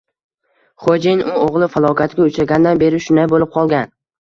Xo`jayin… U o`g`li falokatga uchragandan beri shunday bo`lib qolgan